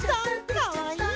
かわいい。